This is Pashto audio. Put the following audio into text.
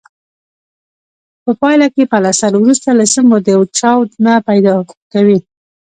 په پایله کې پلستر وروسته له څه مودې چاود نه پیدا کوي.